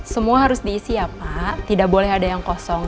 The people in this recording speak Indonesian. semua harus diisi ya pak tidak boleh ada yang kosong